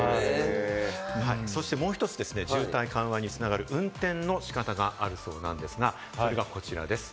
そしてもう一つ、渋滞緩和に繋がる運転の仕方があるそうですが、それがこちらです。